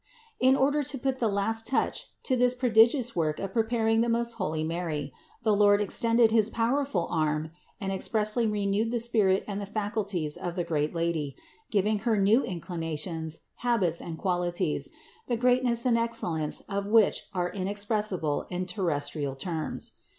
105. In order to put the last touch to this prodigious work of preparing the most holy Mary, the Lord ex tended his powerful arm and expressly renewed the spirit and the faculties of the great Lady, giving Her new inclinations, habits and qualities, the greatness and excellence of which are inexpressible in terrestrial terms.